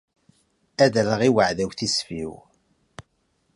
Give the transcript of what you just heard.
Ad rreɣ i weɛdaw tisfi-w.